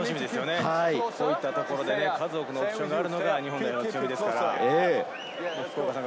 こういったところで数多くのオプションがあるので、日本の強みでもあります。